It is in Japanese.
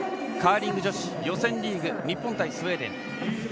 カーリング女子予選リーグ日本対スウェーデン。